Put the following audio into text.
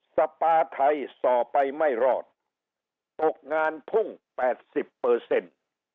สปาไทยส่อไปไม่รอดตกงานพุ่งแปดสิบเปอร์เซ็นต์